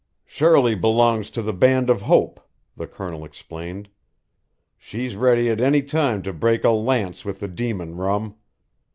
"Shirley belongs to the Band of Hope," the Colonel explained. "She's ready at any time to break a lance with the Demon Rum.